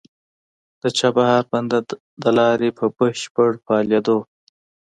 د چابهار بندر د لارې په بشپړ فعالېدو